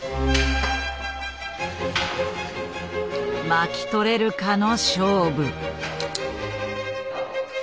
巻き取れるかの勝負。